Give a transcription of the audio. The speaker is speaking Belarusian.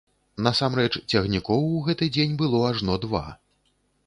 Насамрэч цягнікоў у гэты дзень было ажно два.